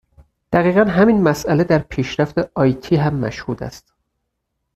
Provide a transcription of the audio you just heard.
دقیقا همین مساله در پیشرفت آی تی هم مشهود است.